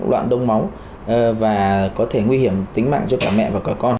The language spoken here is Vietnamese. loạn đông máu và có thể nguy hiểm tính mạng cho cả mẹ và cả con